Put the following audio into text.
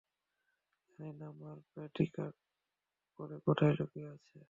জানি না, মার পেটিকোট পরে কোথায় লুকিয়ে আছে!